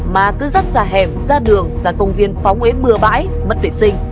mà cứ dắt ra hẻm ra đường ra công viên phóng ế bừa bãi